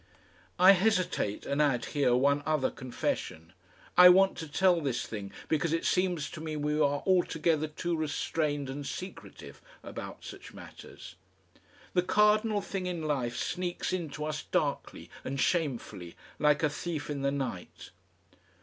I hesitate and add here one other confession. I want to tell this thing because it seems to me we are altogether too restrained and secretive about such matters. The cardinal thing in life sneaks in to us darkly and shamefully like a thief in the night.